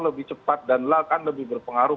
lebih cepat dan akan lebih berpengaruh